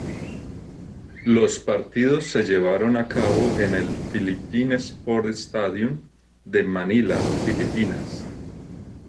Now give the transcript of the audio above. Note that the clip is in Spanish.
Los partidos se llevaron a cabo en el Philippine Sports Stadium de Manila, Filipinas.